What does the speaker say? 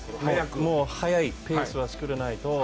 もう早いペースを作らないと。